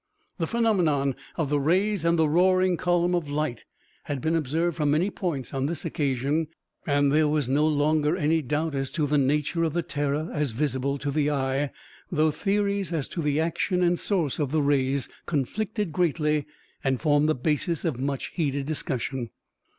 The phenomenon of the rays and the roaring column of light had been observed from many points on this occasion and there was no longer any doubt as to the nature of the terror as visible to the eye, though theories as to the action and source of the rays conflicted greatly and formed the basis of much heated discussion.